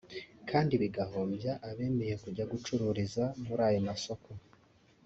kandi bigahombya abemeye kujya gucururiza muri ayo masoko